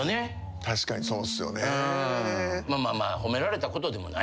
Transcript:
確かにそうっすよね。